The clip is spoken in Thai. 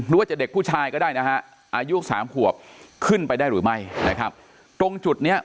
ว่าจะเด็กผู้ชายก็ได้นะฮะอายุสามขวบขึ้นไปได้หรือไม่นะครับตรงจุดเนี้ย